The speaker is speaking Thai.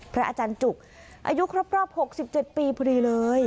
พระอาจารย์จุกอายุครบหกสิบเจ็ดปีพอดีเลย